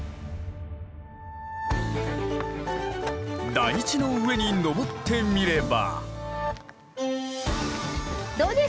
台地の上に登ってみれば。